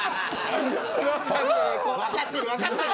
分かってる分かってる！